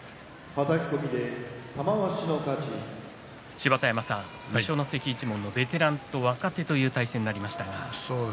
芝田山さん、二所ノ関一門のベテランと若手という対戦になりましたが。